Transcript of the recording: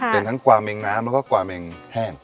เป็นทั้งกวาแมงน้ำแล้วก็กวาแมงแห้ง